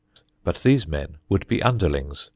But these men would be underlings.